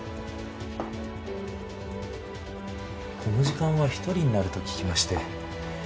この時間は１人になると聞きまして。